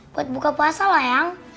buat buka puasa lah ya